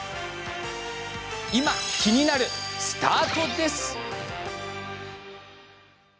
今、気になるスタートです。